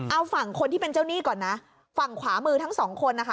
เอาฝั่งคนที่เป็นเจ้าหนี้ก่อนนะฝั่งขวามือทั้งสองคนนะคะ